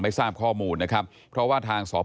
พบหน้าลูกแบบเป็นร่างไร้วิญญาณ